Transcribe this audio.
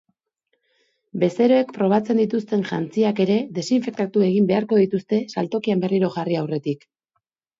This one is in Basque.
Bezeroek probatzen dituzten jantziak ere desinfektatu egin beharko dituzte saltokian berriro jarri aurretik.